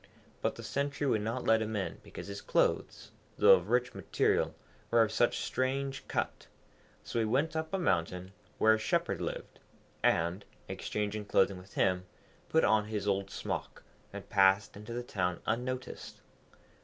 But the sentry would not let him in because his clothes, though of rich material, were of such strange cut. So he went up a mountain, where a Shepherd lived, and, exchanging clothing with him, put on his old smock, and passed into the town unnoticed.